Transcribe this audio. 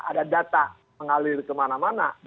ada data mengalir kemana mana